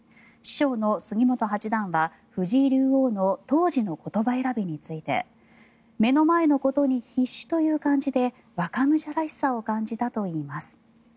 師匠の杉本八段は藤井竜王の当時の言葉選びについて目の前のことに必死という感じで若武者らしさを感じたといいます。